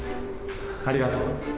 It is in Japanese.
ありがとう。